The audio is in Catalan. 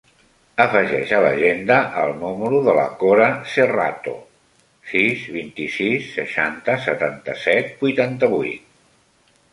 Afegeix a l'agenda el número de la Cora Serrato: sis, vint-i-sis, seixanta, setanta-set, vuitanta-vuit.